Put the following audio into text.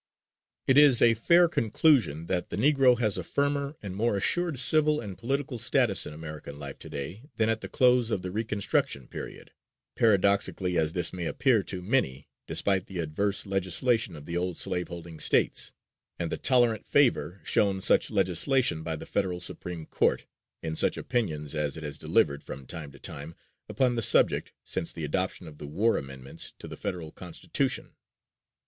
It is a fair conclusion that the Negro has a firmer and more assured civil and political status in American life to day than at the close of the Reconstruction period, paradoxical as this may appear to many, despite the adverse legislation of the old slave holding States, and the tolerant favor shown such legislation by the Federal Supreme Court, in such opinions as it has delivered, from time to time, upon the subject, since the adoption of the War amendments to the Federal Constitution.